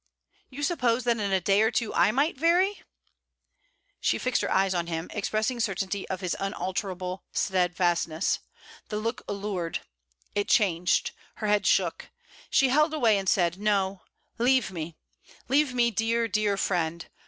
'You suppose that in a day or two I might vary?' She fixed her eyes on him, expressing certainty of his unalterable stedfastness. The look allured. It changed: her head shook. She held away and said: 'No, leave me; leave me, dear, dear friend.